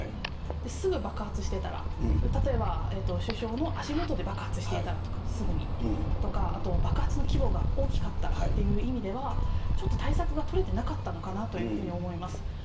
すぐ爆発してたら、例えば首相の足元で爆発していたらとか、すぐに、とか、爆発の規模が大きかったらという意味では、ちょっと対策が取れてなかったのかなというふうに思います。